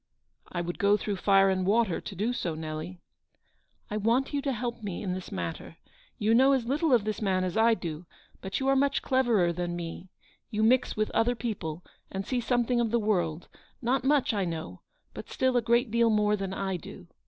" I would go through fire and water to do so, Nelly." " I want you to help me in this matter. You know as little of this man as I do, but you are much cleverer than me. You mix with other people and see something of the world; not much, I know, but still a great deal more than I do.